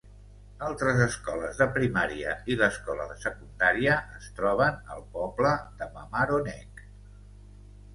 Altres escoles de primària i l'escola de secundària es troben al poble de Mamaroneck.